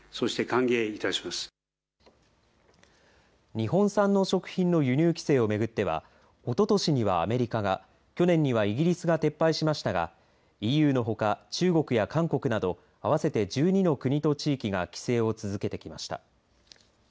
日本産の食品の輸入規制を巡ってはおととしにはアメリカが去年にはイギリスが撤廃しましたがＥＵのほか、中国や韓国など合わせて１２の国と地域が規制を続けてきました。